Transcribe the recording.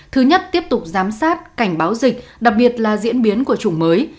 thứ nhất tiếp tục giám sát cảnh báo dịch đặc biệt là diễn biến của chủng mới